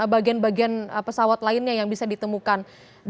bagian bagian pesawat lainnya yang bisa ditemukan